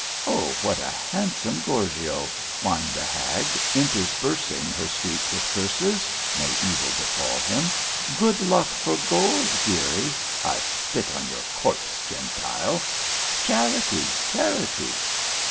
'Oh, what a handsome Gorgio!' whined a hag, interspersing her speech with curses. '(May evil befall him!) Good luck for gold, dearie. (I spit on your corpse, Gentile!) Charity! Charity!'